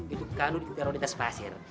itu kano di daruratitas pasir